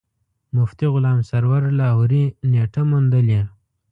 مفتي غلام سرور لاهوري نېټه موندلې.